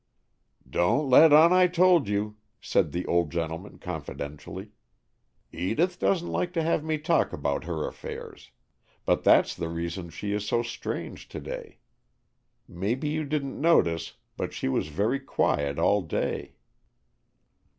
"Don't let on I told you," said the old gentleman, confidentially. "Edith doesn't like to have me talk about her affairs. But that's the reason she is so strange to day. Maybe you didn't notice, but she was very quiet all day."